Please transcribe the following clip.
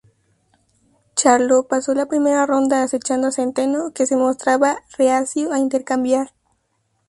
Charlo pasó la primera ronda acechando a Centeno, que se mostraba reacio a intercambiar.